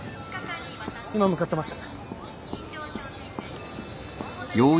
今向かってます。